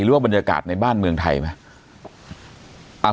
หรือว่าบรรยากาศในบ้านเมืองไทยไหม